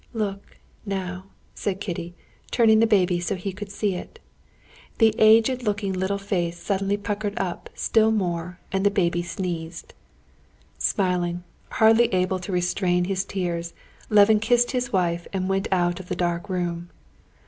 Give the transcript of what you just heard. "Look, now," said Kitty, turning the baby so that he could see it. The aged looking little face suddenly puckered up still more and the baby sneezed. Smiling, hardly able to restrain his tears, Levin kissed his wife and went out of the dark room.